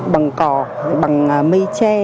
bằng cỏ bằng mây tre